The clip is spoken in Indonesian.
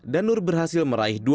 danur berhasil meraih